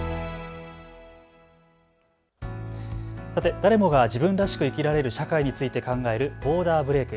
誰もが自分らしく生きられる社会について考えるボーダーブレイク。